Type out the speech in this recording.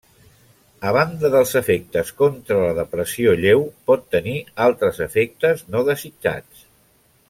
A banda dels efectes contra la depressió lleu, pot tenir altres efectes no desitjats.